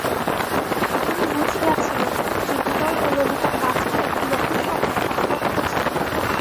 তিনি বুঝিয়াছিলেন যে, বিনয় ও ললিতার মাঝখানে একটি রহস্যময় সম্বন্ধ ছিল।